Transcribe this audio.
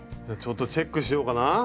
じゃあちょっとチェックしようかな。